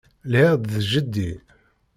Lhiɣ-d d jeddi.